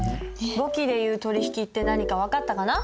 簿記でいう取引って何か分かったかな？